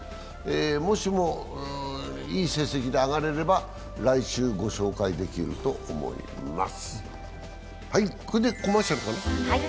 もしも、いい成績で上がれれば来週ご紹介できると思います。